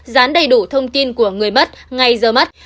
dán đầy đủ thông tin của người mất ngay giờ mắt